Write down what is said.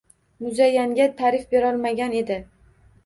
Muzayyanga ta’rif berolmagan edi